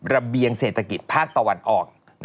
ระเบียงเศรษฐกิจภาคตะวันออก